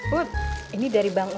bud ini dari bang udin